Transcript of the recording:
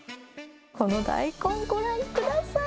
この大根、ご覧ください。